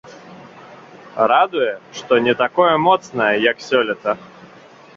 Радуе, што не такое моцнае, як сёлета.